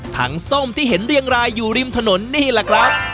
ส้มที่เห็นเรียงรายอยู่ริมถนนนี่แหละครับ